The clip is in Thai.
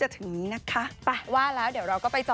สุดท้าย